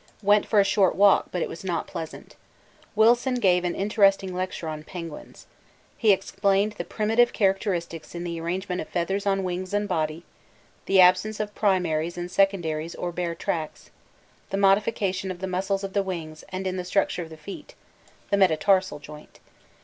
Went for a short walk, but it was not pleasant. Wilson gave an interesting lecture on penguins. He explained the primitive characteristics in the arrangement of feathers on wings and body, the absence of primaries and secondaries or bare tracts; the modification of the muscles of the wings and in the structure of the feet (the metatarsal joint).